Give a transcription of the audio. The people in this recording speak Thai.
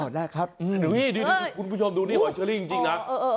ได้ครับคุณผู้ชมดูนี่หอยเชอรี่จริงนะ